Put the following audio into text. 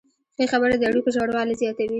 ښې خبرې د اړیکو ژوروالی زیاتوي.